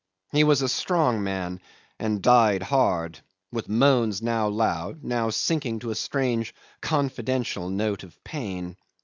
He was a strong man and died hard, with moans now loud, now sinking to a strange confidential note of pain.